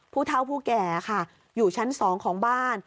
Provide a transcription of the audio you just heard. ผู้เท่าผู้แก่ค่ะอยู่ชั้น๒ของบ้าน